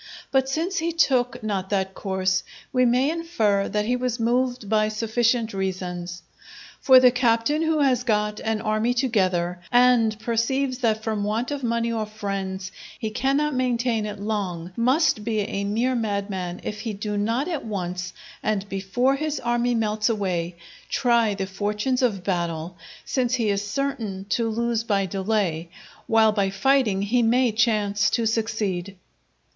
But since he took not that course, we may infer that he was moved by sufficient reasons. For the captain who has got an army together, and perceives that from want of money or friends he cannot maintain it long, must be a mere madman if he do not at once, and before his army melts away, try the fortunes of battle; since he is certain to lose by delay, while by fighting he may chance to succeed.